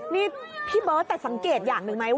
นี่พี่เบิร์ตแต่สังเกตอย่างหนึ่งไหมว่า